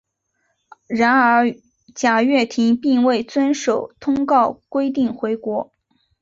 然而贾跃亭并未遵守通告规定回国。